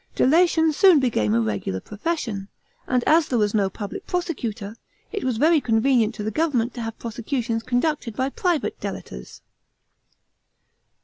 Delation soon became a regular profession, and as there was no public prosecutor, it was very con venient to the government to have prosecutions conducted by private delators.